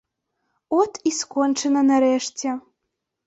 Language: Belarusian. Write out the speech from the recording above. От і скончана нарэшце.